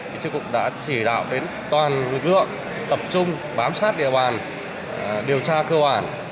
đã chỉ đạo đến toàn lực lượng tập trung bám sát địa bàn điều tra cơ hoản